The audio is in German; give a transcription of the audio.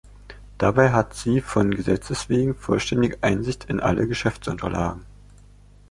Dabei hat sie von Gesetzes wegen vollständige Einsicht in alle Geschäftsunterlagen.